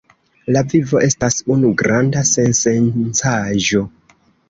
La vivo estas unu granda sensencaĵo.